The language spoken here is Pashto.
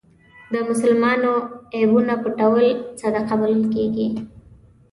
د مسلمان عیبونه پټول صدقه بلل کېږي.